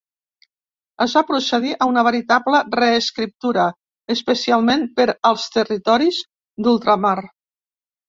Es va procedir a una veritable reescriptura, especialment per als territoris d'ultramar.